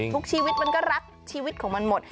ชีวิตมันก็รักชีวิตของมันหมด